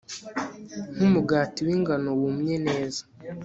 nkumugati wingano wumye neza